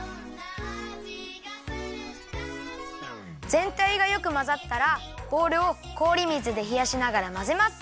ぜんたいがよくまざったらボウルをこおり水でひやしながらまぜます。